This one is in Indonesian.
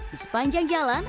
di sepanjang jalan